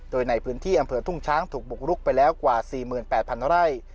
โดยในพื้นที่อำเภอทุ่งช้างถูกบุกลุกไปแล้วกว่าสี่หมื่นแปดพันเท่าไร